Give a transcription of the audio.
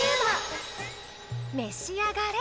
めし上がれ。